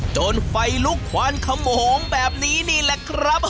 จนไฟลุกควันขโมงแบบนี้นี่แหละครับ